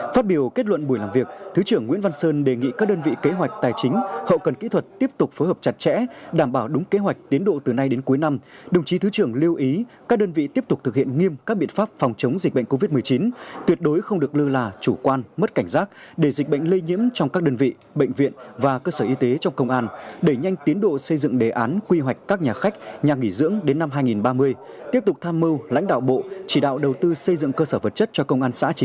phát biểu kết luận buổi làm việc thứ trưởng nguyễn văn sơn đề nghị các đơn vị kế hoạch tài chính hậu cần kỹ thuật tiếp tục phối hợp chặt chẽ đảm bảo đúng kế hoạch tiến độ từ nay đến cuối năm đồng chí thứ trưởng lưu ý các đơn vị tiếp tục thực hiện nghiêm các biện pháp phòng chống dịch bệnh covid một mươi chín tuyệt đối không được lưu là chủ quan mất cảnh giác để dịch bệnh lây nhiễm trong các đơn vị bệnh viện và cơ sở y tế trong công an để nhanh tiến độ xây dựng đề án quy hoạch các nhà khách nhà nghỉ dưỡng đến năm hai nghìn ba mươi